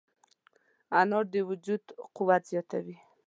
انار د وجود قوت زیاتوي.